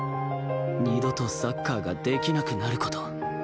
二度とサッカーができなくなる事？